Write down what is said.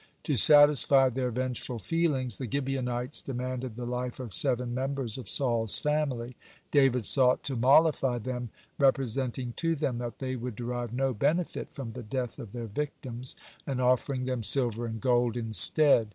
To satisfy their vengeful feelings, the Gibeonites demanded the life of seven members of Saul's family. David sought to mollify them, representing to them that they would derive no benefit from the death of their victims, and offering them silver and gold instead.